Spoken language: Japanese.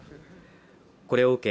これを受け